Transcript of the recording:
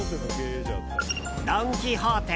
ドン・キホーテ。